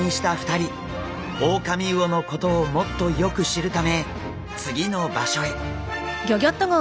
オオカミウオのことをもっとよく知るため次の場所へ。